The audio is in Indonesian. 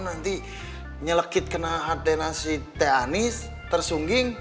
nanti nyelekit kena hati hati si teh anies tersungging